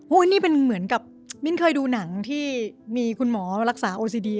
นี่เป็นเหมือนกับมิ้นเคยดูหนังที่มีคุณหมอรักษาโอซีดี